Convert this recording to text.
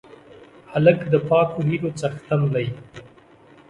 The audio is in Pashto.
هلک د پاکو هیلو څښتن دی.